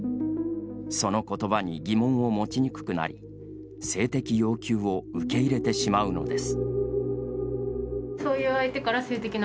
そのことばに疑問を持ちにくくなり性的要求を受け入れてしまうのです。